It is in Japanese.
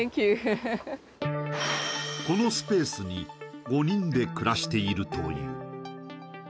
このスペースに５人で暮らしているという。